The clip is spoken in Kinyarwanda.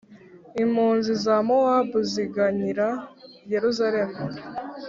Impunzi za Mowabu ziganyira Yeruzalemu